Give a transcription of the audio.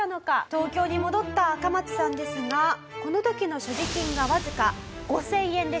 東京に戻ったアカマツさんですがこの時の所持金がわずか５０００円でした。